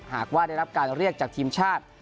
หากว่าได้รับการเรียกจากทีมชาติ